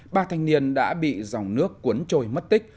ba thanh niên đã bị dòng nước cuốn trôi mất tích